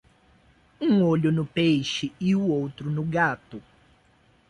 Um olho no peixe e o outro no gato.